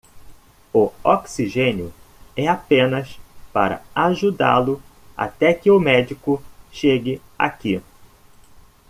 O oxigênio é apenas para ajudá-lo até que o médico chegue aqui.